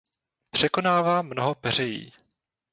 Překonává mnoho peřejí.